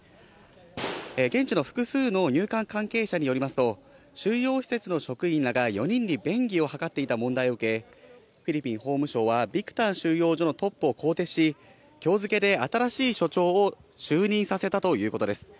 現地の複数の入管関係者によりますと、収容施設の職員らが４人に便宜を図っていた問題を受け、フィリピン法務省は、ビクタン収容所のトップを更迭し、きょう付けで新しい所長を就任させたということです。